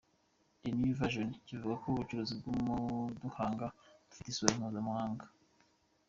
The New Vision kivuga ko ubucuruzi bw’uduhanga bufite isura mpuzamahanga .